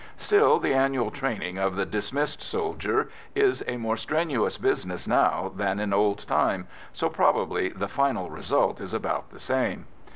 Still, the annual training of the "dismissed" soldier is a more strenuous business now than in old time, so probably the final result is about the same.